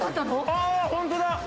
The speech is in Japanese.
ああホントだ！